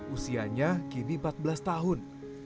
usianya kini empat belas tahun